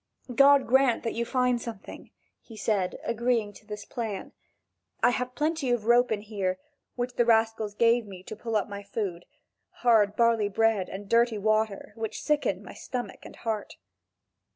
"God grant that you find something," he said, agreeing to this plan; "I have plenty of rope in here, which the rascals gave me to pull up my food hard barley bread and dirty water, which sicken my stomach and heart."